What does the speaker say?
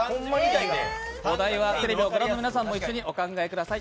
お題はテレビをご覧の皆さんもお考えください。